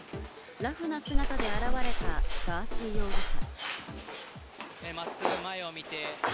ラフな姿で現れたガーシー容疑者。